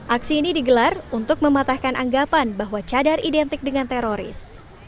aksi ini digelar untuk mematahkan anggapan bahwa cadar identik dengan teroris